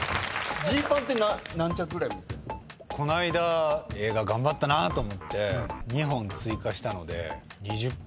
この間映画頑張ったなと思って２本追加したので。